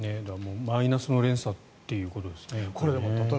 マイナスの連鎖ということですね。